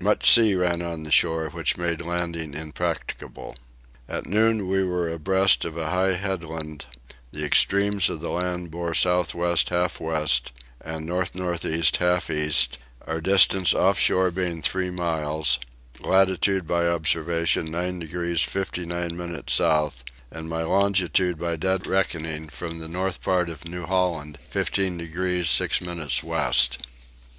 Much sea ran on the shore which made landing impracticable. At noon we were abreast of a high headland; the extremes of the land bore south west half west, and north north east half east; our distance offshore being three miles; latitude by observation 9 degrees 59 minutes south; and my longitude by dead reckoning from the north part of New Holland 15 degrees 6 minutes west.